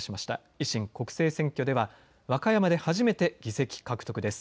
維新、国政選挙では和歌山で初めて議席獲得です。